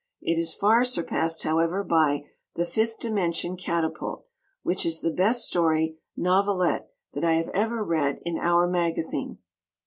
It is far surpassed, however, by "The Fifth Dimension Catapult," which is the best story (novelette) that I have ever read in "our" magazine.